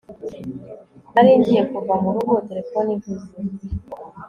Nari ngiye kuva mu rugo telefone ivuze